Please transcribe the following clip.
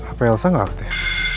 apa elsa gak aktif